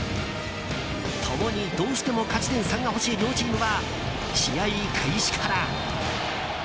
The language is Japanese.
共にどうしても勝ち点３が欲しい両チームは試合開始から。